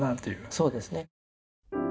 そうですね。